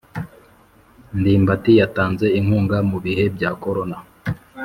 Ndimbati yatanze inkunga mubihe bya korona